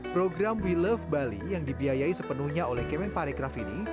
program we love bali yang dibiayai sepenuhnya oleh kemen parekraf ini